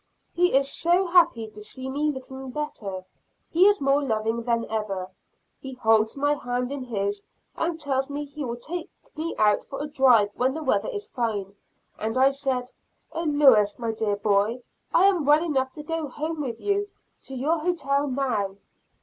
He is so happy to see me looking better; he is more loving than ever; he holds my hand in his and tells me he will take me out for a drive when the weather is fine. And I said, "Oh Lewis, my dear boy, I am well enough to go home with you to your hotel now."